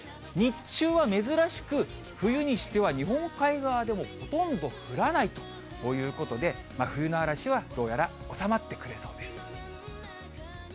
日中は珍しく、冬にしては日本海側でもほとんど降らないということで、冬の嵐はどうやら収まってくれそうです。